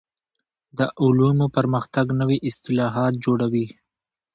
د علومو پرمختګ نوي اصطلاحات جوړوي.